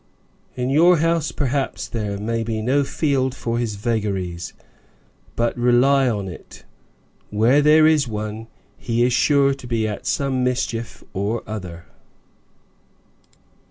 "In your house, perhaps, there may be no field for his vagaries, but rely upon it, where there is one he is sure to be at some mischief or other."